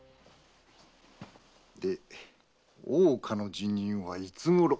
で大岡の辞任はいつごろ？